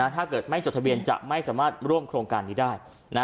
ถ้าเกิดไม่จดทะเบียนจะไม่สามารถร่วมโครงการนี้ได้